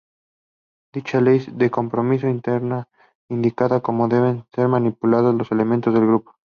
Dicha ley de composición interna indica cómo deben ser manipulados los elementos del grupo.